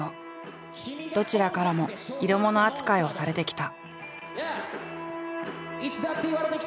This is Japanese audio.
どちらからも色モノ扱いをされてきた。